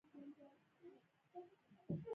غریب ته سوله ژوند دی